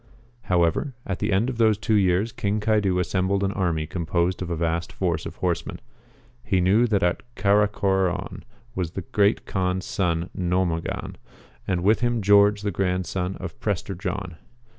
However, at the end of those two years King Caidu assembled an army composed of a vast force of horsemen. He knew that at Caracoron was the Great Kaan's son No MOGAX, and with him Geokge the grandson of Prester John.